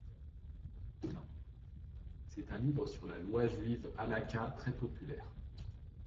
C'est un livre sur la loi juive Halakha très populaire.